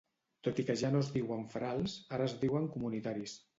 Tot i que ja no es diuen ferals, ara es diuen comunitaris.